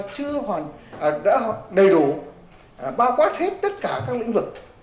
chưa đầy đủ bao quát hết tất cả các lĩnh vực